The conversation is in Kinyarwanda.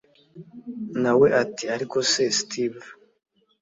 Nawe ati ariko se steve